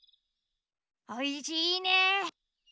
おいしいね。